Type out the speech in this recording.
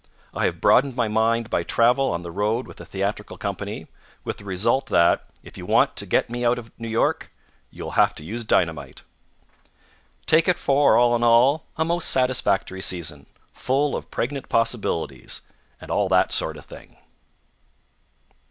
I have broadened my mind by travel on the road with a theatrical company, with the result that, if you want to get me out of New York, you will have to use dynamite. Take it for all in all, a most satisfactory season, full of pregnant possibilities and all that sort of thing.